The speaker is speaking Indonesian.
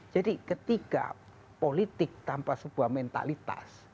jadi ketiga politik tanpa sebuah mentalitas